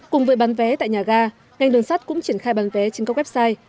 cùng với bán vé tại nhà ga ngành đường sắt cũng triển khai bán vé trên các website